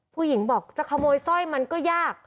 ผู้หญิงบอกจะขโมยสร้อยมันก็ยาก